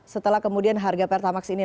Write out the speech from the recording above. setelah kemudian harga pertamax ini